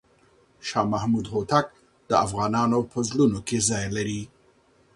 شاه محمود هوتک د افغانانو په زړونو کې ځای لري.